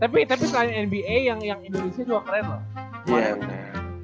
tapi selain nba yang indonesia juga keren loh